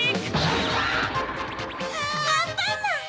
アンパンマン！